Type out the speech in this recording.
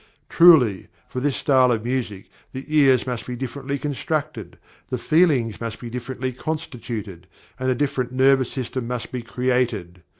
Truly, for this style of music, the ears must be differently constructed, the feelings must be differently constituted, and a different nervous system must be created!